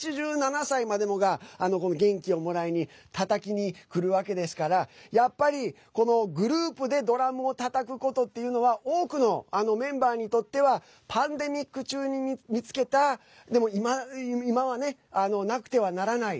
８７歳までもが元気をもらいにたたきにくるわけですからやっぱり、グループでドラムをたたくことっていうのは多くのメンバーにとってはパンデミック中に見つけたでも今はね、なくてはならない